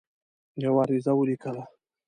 یوه عریضه ولیکله.